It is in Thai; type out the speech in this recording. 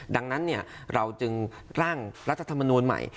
ดังนั้นเราจึงร่างรัฐธรรมนูลใหม่